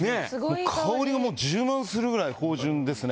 もう香りがもう充満するぐらい芳醇ですね